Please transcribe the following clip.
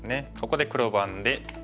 ここで黒番で。